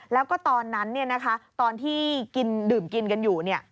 แล้วก็ตอนนั้นตอนที่กินดื่มกินกันอยู่